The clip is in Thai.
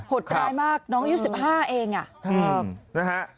หดใจมากน้องอายุ๑๕เอง